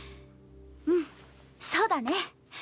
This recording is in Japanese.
うんそうだね。